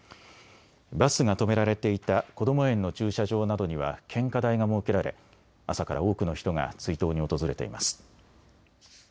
バスが止められていたこども園の駐車場などには献花台が設けられ朝から多くの人が追悼に訪れています。